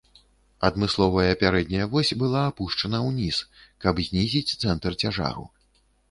Адмысловая пярэдняя вось была апушчана ўніз, каб знізіць цэнтр цяжару.